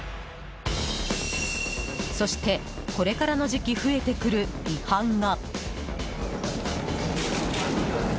そして、これからの時期増えてくる違反が。